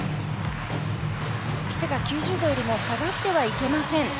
足が９０度よりも下がってはいけません。